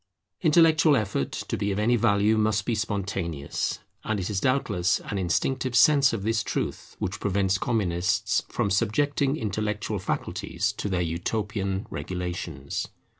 Intellectual effort, to be of any value, must be spontaneous; and it is doubtless an instinctive sense of this truth which prevents Communists from subjecting intellectual faculties to their utopian regulations.